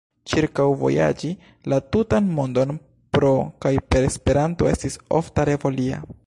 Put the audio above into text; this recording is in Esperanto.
Ĉirkaŭvojaĝi la tutan mondon pro kaj per Esperanto estis ofta revo lia.